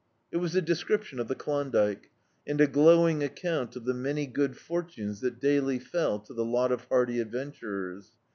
It was a description of the Klondyke, and a glowing account of the many good fortunes that daily fell to the lot of hardy adventurers.